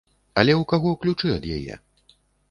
Але ў каго ключы ад яе?